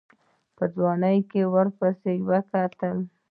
په ځوان پسې يې وکتل.